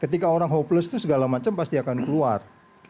ketika orang hopeless itu segala macam pasti akan keluar